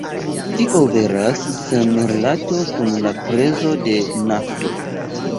Tio veras sen rilato kun la prezo de nafto.